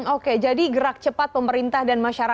oke jadi gerak cepat pemerintah dan masyarakat